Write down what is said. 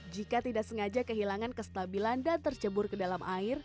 jika tidak sengaja kehilangan kestabilan dan tercebur ke dalam air